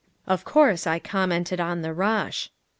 Of course I commented on the rush.